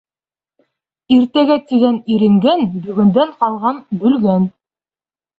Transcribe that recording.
«Иртәгә» тигән иренгән, бөгөндән ҡалған бөлгән.